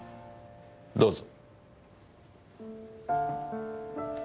どうぞ。